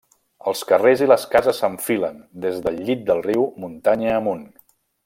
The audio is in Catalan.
Els carrers i les cases s'enfilen, des del llit del riu, muntanya amunt.